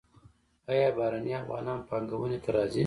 آیا بهرنی افغانان پانګونې ته راځي؟